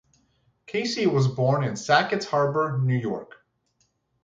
Casey was born in Sackets Harbor, New York.